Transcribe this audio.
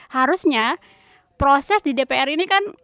harusnya proses di dpr ini kan